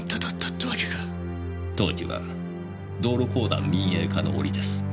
当時は道路公団民営化の折です。